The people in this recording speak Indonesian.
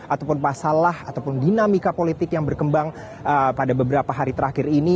ataupun masalah ataupun dinamika politik yang berkembang pada beberapa hari terakhir ini